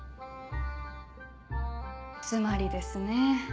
つまりですねぇ。